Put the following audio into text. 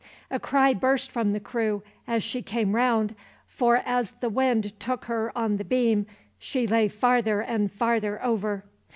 A cry burst from the crew as she came round, for as the wind took her on the beam she lay farther and farther over.